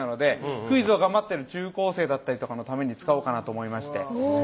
クイズを頑張っている中高生とかのために使おうかなと思いまして。